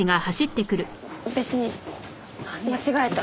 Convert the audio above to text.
別に間違えた。